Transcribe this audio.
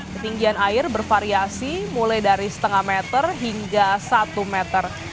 ketinggian air bervariasi mulai dari setengah meter hingga satu meter